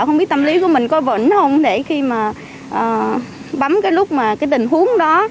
không biết tâm lý của mình có vững không để khi mà bấm cái lúc mà cái tình huống đó